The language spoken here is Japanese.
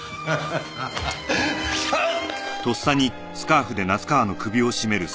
あっ！